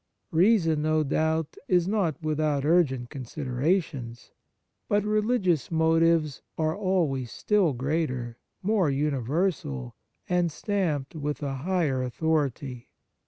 Reason, no doubt, is not without urgent con siderations ; but religious motives 109 On Piety are always still greater, more univer sal, and stamped with a higher authority.